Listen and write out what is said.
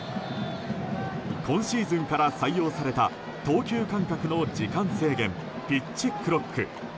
今シーズンから採用された投球間隔の時間制限ピッチクロック。